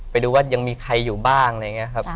ไปดูว่ายังมีใครอยู่บ้างอะไรอย่างนี้ครับ